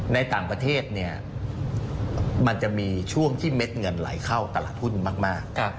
ในต่างประเทศเนี่ยมันจะมีช่วงที่เม็ดเงินไหลเข้าตลาดหุ้นมาก